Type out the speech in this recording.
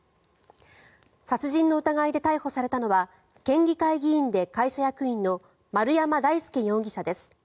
殺人の疑いで逮捕されたのは県議会議員で会社役員の丸山大輔容疑者です。